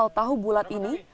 penjual tahu bulat ini